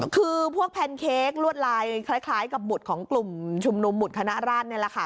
คือพวกแพนเค้กลวดลายคล้ายกับหมุดของกลุ่มชุมนุมหุดคณะราชนี่แหละค่ะ